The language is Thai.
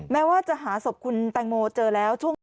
แม้ว่าจะหาศพคุณแตงโมเจอแล้วช่วง